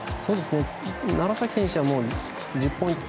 楢崎選手はもう１０ポイント